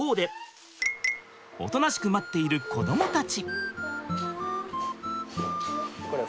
おとなしく待っている子どもたち。